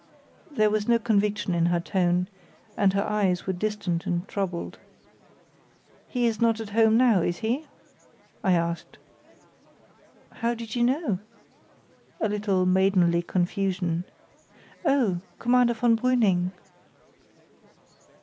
There was no conviction in her tone, and her eyes were distant and troubled. "He's not at home now, is he?" I asked. "How did you know?" (a little maidenly confusion). "Oh, Commander von Brüning."